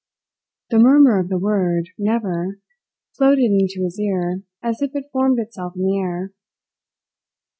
The murmur of the word "Never!" floated into his ear as if it formed itself in the air.